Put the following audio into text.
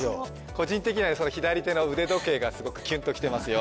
個人的にはその左手の腕時計がすごくキュンときてますよ